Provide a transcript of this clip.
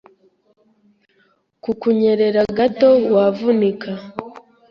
Ku kunyerera gato wavunika